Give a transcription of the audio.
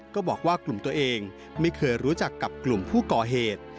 ก็บอกว่ากลุ่มตัวเองไม่เคยรู้จักกับกลุ่มผู้ก่อเหตุ